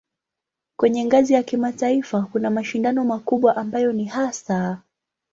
Kwenye ngazi ya kimataifa kuna mashindano makubwa ambayo ni hasa